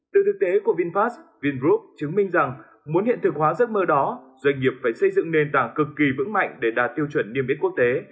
từ thực tế của vinfast vingroup chứng minh rằng muốn hiện thực hóa giấc mơ đó doanh nghiệp phải xây dựng nền tảng cực kỳ vững mạnh để đạt tiêu chuẩn niêm yết quốc tế